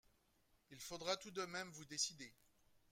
Il faudra tout de même vous décider